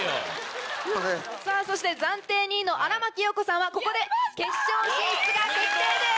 そして暫定２位の荒牧陽子さんはここで決勝進出が決定です！